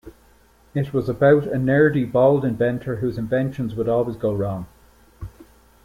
It was about a nerdy bald inventor whose inventions would always go wrong.